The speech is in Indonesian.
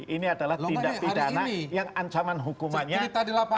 ini adalah tindak pidana yang ancaman hukumannya adalah loyaku